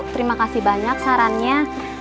terima kasih banyak sarannya